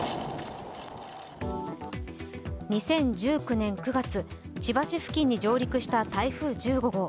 ２０１９年９月、千葉市付近に上陸した台風１５号。